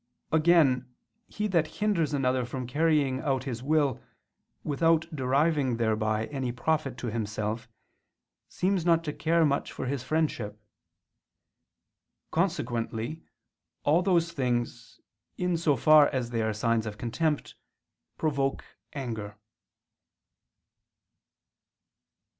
Again he that hinders another from carrying out his will, without deriving thereby any profit to himself, seems not to care much for his friendship. Consequently all those things, in so far as they are signs of contempt, provoke anger.